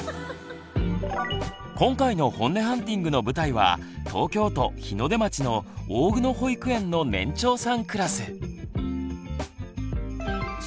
今回のホンネハンティングの舞台は東京都日の出町の大久野保育園の年長さんクラス。